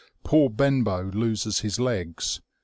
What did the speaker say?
Poor Benbow loses his legs.